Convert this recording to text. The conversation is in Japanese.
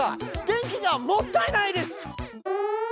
電気がもったいないです！